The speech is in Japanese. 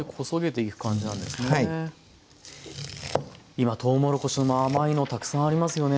今とうもろこしも甘いのたくさんありますよね。